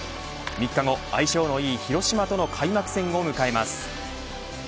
３日後、相性のいい広島との開幕戦を迎えます。